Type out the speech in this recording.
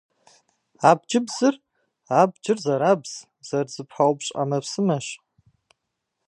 Абджыбзыр - абджыр зэрабз, зэрызэпаупщӏ ӏэмэпсымэщ.